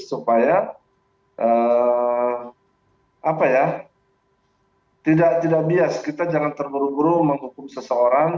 supaya tidak bias kita jangan terburu buru menghukum seseorang